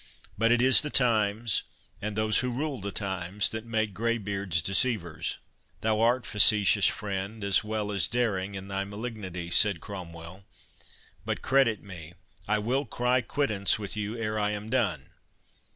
But it is the times, and those who rule the times, that make grey beards deceivers." "Thou art facetious friend, as well as daring in thy malignity," said Cromwell; "but credit me, I will cry quittance with you ere I am done.